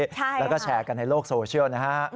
แล้วก็แชร์กันในโลกโซเชียลนะฮะ